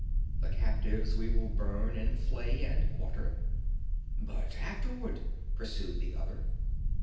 The captives we will burn and flay and quarter." "But afterward?" pursued the other.